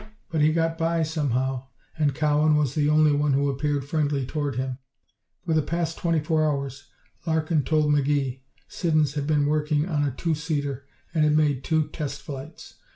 But he got by, somehow, and Cowan was the only one who appeared friendly toward him. For the past twenty four hours, Larkin told McGee, Siddons had been working on a two seater and had made two test flights.